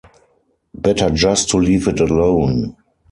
Better just to leave it alone.